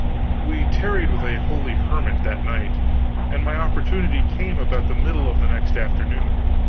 We tarried with a holy hermit, that night, and my opportunity came about the middle of the next afternoon.